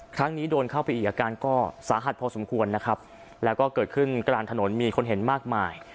ครั้งนี้โดนเข้าไปอีกอาการก็สาหัสพอสมควรนะครับแล้วก็เกิดขึ้นกลางถนนมีคนเห็นมากมาย